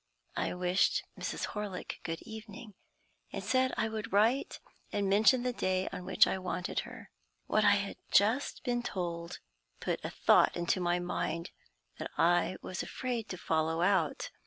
I wished Mrs. Horlick good evening, and said I would write and mention the day on which I wanted her. What I had just been told put a thought into my mind that I was afraid to follow out.